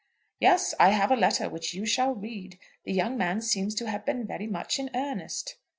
"Yes; I have a letter, which you shall read. The young man seems to have been very much in earnest."